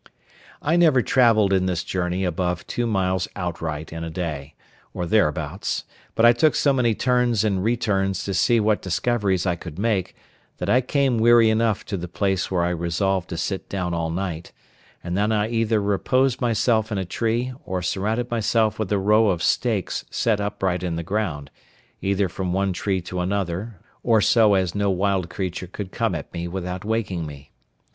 I never travelled in this journey above two miles outright in a day, or thereabouts; but I took so many turns and re turns to see what discoveries I could make, that I came weary enough to the place where I resolved to sit down all night; and then I either reposed myself in a tree, or surrounded myself with a row of stakes set upright in the ground, either from one tree to another, or so as no wild creature could come at me without waking me.